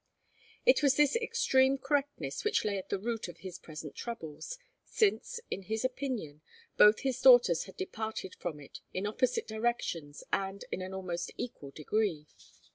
It was this extreme correctness which lay at the root of his present troubles, since, in his opinion, both his daughters had departed from it in opposite directions and in an almost equal degree.